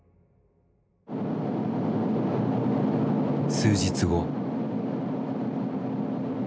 数日後。